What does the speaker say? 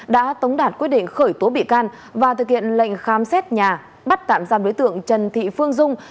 đã tống đạt quyết định khởi tố bị can và thực hiện lệnh khám xét nhà bắt tạm giam đối tượng trần thị phương dung